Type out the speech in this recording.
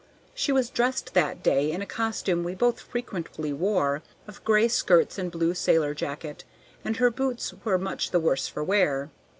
She was dressed that day in a costume we both frequently wore, of gray skirts and blue sailor jacket, and her boots were much the worse for wear.